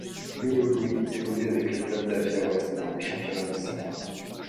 Lolo Lui évolue avec le club d'Apia West dans le championnat des Samoa.